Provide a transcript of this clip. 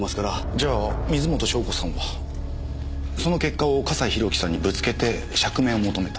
じゃあ水元湘子さんはその結果を笠井宏樹さんにぶつけて釈明を求めた。